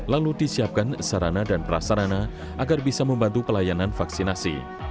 lalu disiapkan sarana dan prasarana agar bisa membantu pelayanan vaksinasi